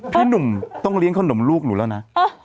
พี่หนุ่มต้องเลี้ยงขนมลูกหนูแล้วนะ